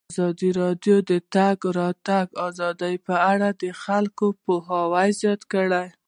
ازادي راډیو د د تګ راتګ ازادي په اړه د خلکو پوهاوی زیات کړی.